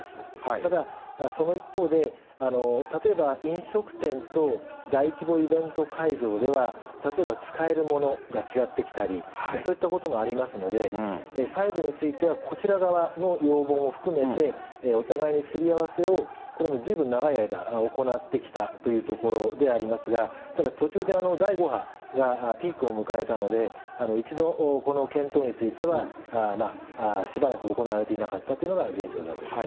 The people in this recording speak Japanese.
ただ、その一方で、例えば飲食店と大規模イベント会場では、例えば使えるものが違ってきたり、そういったこともありますので、細部についてはこちら側の要望も含めて、お互いにすり合わせを、これもずいぶん長い間行ってきたというところでありますが、ただ、途中で第５波がピークを迎えたので、一度、この検討については、しばらく行われていなかったというのが現状であります。